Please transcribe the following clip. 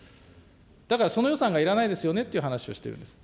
だからその予算がいらないですよねって話をしているんです。